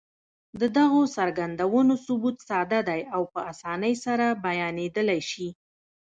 د دغو څرګندونو ثبوت ساده دی او په اسانۍ سره بيانېدلای شي.